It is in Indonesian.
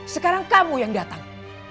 sekarang kamu yang datang